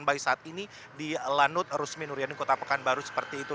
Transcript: jadi ini adalah stand by saat ini di lanut rusmin nuriani kota pekanbaru seperti itu